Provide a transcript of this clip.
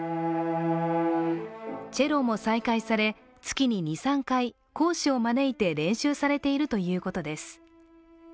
チェロも再開され、月に２３回、講師を招いて練習されているということです。